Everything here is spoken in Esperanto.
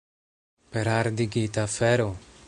Per ardigita fero!